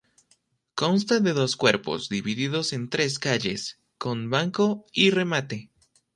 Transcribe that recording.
Consta de dos cuerpos divididos en tres calles, con banco y remate.